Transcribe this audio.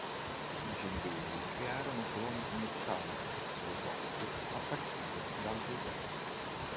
I Genovesi crearono colonie commerciali sulle coste a partire dal Duecento.